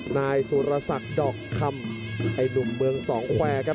นายสุรศักดิ์ดอกคำไอ้หนุ่มเมืองสองแควร์ครับ